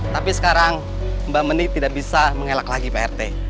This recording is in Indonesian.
tapi sekarang mbak menik tidak bisa mengelak lagi pak rete